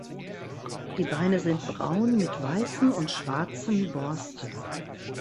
Die Beine sind braun mit weißen und schwarzen Borsten.